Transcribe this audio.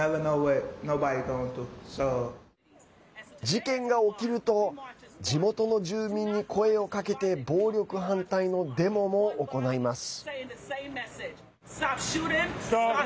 事件が起きると地元の住民に声をかけて暴力反対のデモも行います。